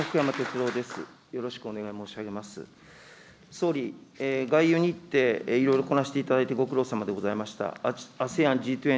総理、外遊日程いろいろこなしていただいてご苦労様でございました。